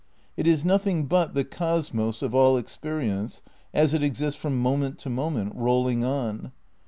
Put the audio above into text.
It is nothing but the cosmos of all experience as it exists from moment to moment, rolling on.